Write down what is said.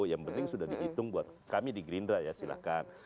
yang penting sudah dihitung buat kami di gerindra ya silahkan